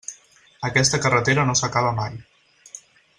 Aquesta carretera no s'acaba mai.